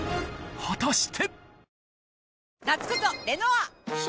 果たして！